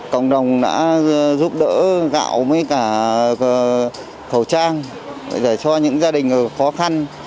cộng đồng đã giúp đỡ gạo với cả khẩu trang để cho những gia đình khó khăn